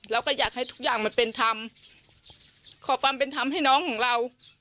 เราก็อยากให้ทุกอย่างมันเป็นธรรมขอความเป็นธรรมให้น้องของเรา